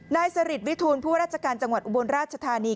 นายสริตวิทูลผู้ว่าราชการจังหวัดอุบลราชธานี